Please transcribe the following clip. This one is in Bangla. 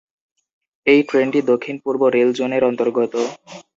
এই ট্রেনটি দক্ষিণ পূর্ব রেল জোনের অন্তর্গত।